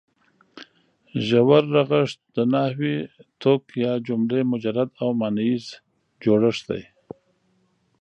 ژور رغښت د نحوي توک یا جملې مجرد او ماناییز جوړښت دی.